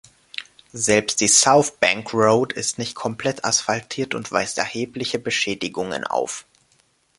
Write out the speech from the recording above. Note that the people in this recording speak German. Selbst die South Bank Road ist nicht komplett asphaltiert und weist erhebliche Beschädigungen auf.